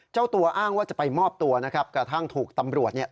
เจ้าตัวอ้างว่าจะไปมอบตัวนะครับกระทั่งถูกตำรวจเนี่ย